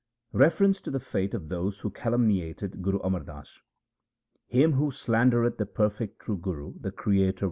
Reference to the fate of those who calumniated Guru Amar Das :— Him who slandereth the perfect true Guru the Creator will punish.